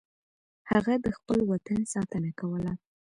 هغه د خپل وطن ساتنه کوله.